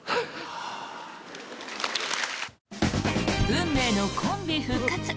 運命のコンビ復活。